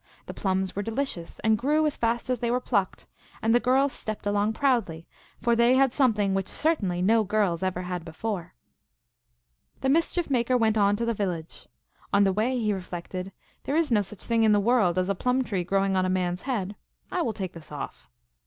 The plums were delicious, and grew as fast as they were plucked ; and the girls stepped along proudly, for they had something which certainly no girls ever had before. The Mischief Maker went on to the village. On the way he reflected, " There is no such thing in the world as a plum tree growing on a man s head. I will take this off."